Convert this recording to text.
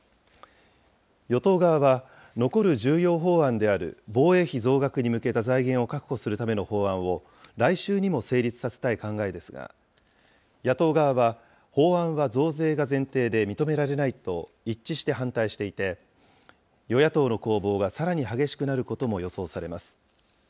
与党側は、残る重要法案である防衛費増額に向けた財源を確保するための法案を来週にも成立させたい考えですが、野党側は、法案は増税が前提で認められないと、一致して反対していて、与野党の攻防がさらに激しくなることも予想されます。